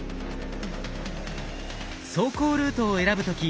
走行ルートを選ぶ時